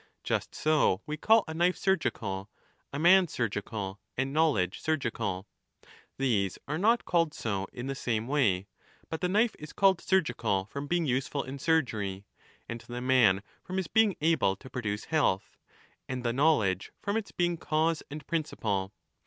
Just so we call a knife surgical, a man surgical, and knowledge surgical. These are not called so in the same way, but the knife is called surgical from being 25 useful in surgery, and the man from his being able to produce health, and the knowledge from its being cause and principle.